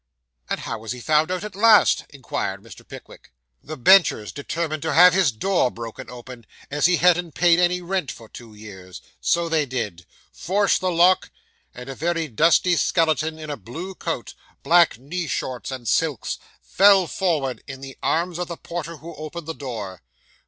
'And how was he found out at last?' inquired Mr. Pickwick. 'The benchers determined to have his door broken open, as he hadn't paid any rent for two years. So they did. Forced the lock; and a very dusty skeleton in a blue coat, black knee shorts, and silks, fell forward in the arms of the porter who opened the door.